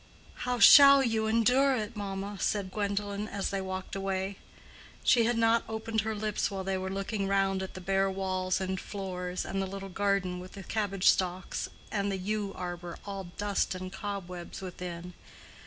"How shall you endure it, mamma?" said Gwendolen, as they walked away. She had not opened her lips while they were looking round at the bare walls and floors, and the little garden with the cabbage stalks, and the yew arbor all dust and cobwebs within.